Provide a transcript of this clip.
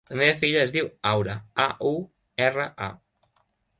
La meva filla es diu Aura: a, u, erra, a.